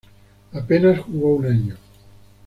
Apenas jugó un año.